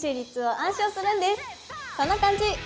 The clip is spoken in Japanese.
こんな感じ！